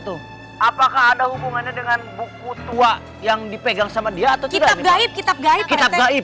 tuh apakah ada hubungannya dengan buku tua yang dipegang sama dia atau kita gaib kita gaib gaib